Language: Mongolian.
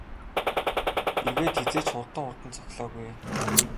Эргээд хэзээ ч хурдан хурдан цохилоогүй ээ.